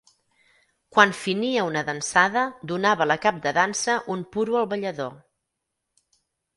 Quan finia una dansada, donava la cap de dansa un puro al ballador.